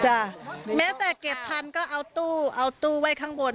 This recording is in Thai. แม้แต่เก็บพันก็เอาตู้เอาตู้ไว้ข้างบน